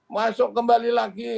masuk kembali lagi